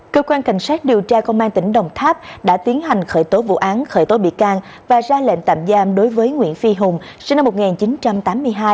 cơ quan cảnh sát điều tra công an tỉnh đồng tháp đã tiến hành khởi tố vụ án khởi tố bị can và ra lệnh tạm giam đối với nguyễn phi hùng sinh năm một nghìn chín trăm tám mươi hai